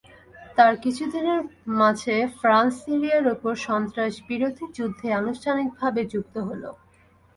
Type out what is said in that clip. তার কিছুদিনের মাঝে ফ্রান্স সিরিয়ার ওপর সন্ত্রাসবিরোধী যুদ্ধে আনুষ্ঠানিকভাবে যুক্ত হলো।